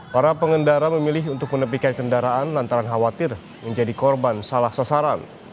para pengendara memilih untuk menepikan kendaraan lantaran khawatir menjadi korban salah sasaran